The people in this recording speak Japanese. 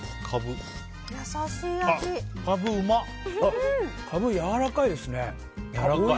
カブ、やわらかいですね。